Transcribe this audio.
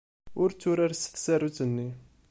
Ur tturar s tsarut-nni.